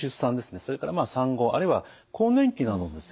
それからまあ産後あるいは更年期などのですね